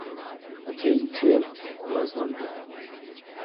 A train came — he was not there.